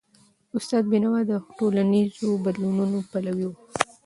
استاد بینوا د ټولنیزو بدلونونو پلوی و.